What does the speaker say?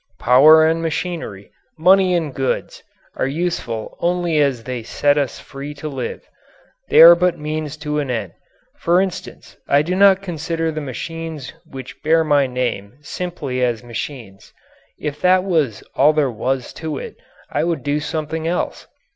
Power and machinery, money and goods, are useful only as they set us free to live. They are but means to an end. For instance, I do not consider the machines which bear my name simply as machines. If that was all there was to it I would do something else.